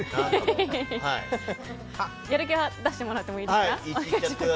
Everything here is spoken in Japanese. やる気出してもらっていいですか？